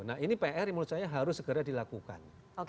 nah ini pr yang menurut saya harus segera dilakukan